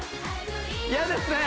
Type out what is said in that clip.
嫌ですね